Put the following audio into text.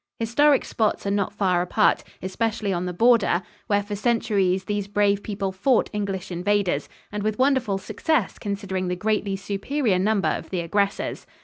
Historic spots are not far apart, especially on the border, where for centuries these brave people fought English invaders and with wonderful success, considering the greatly superior number of the aggressors.